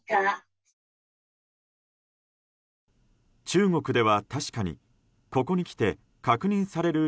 中国では確かに、ここにきて確認される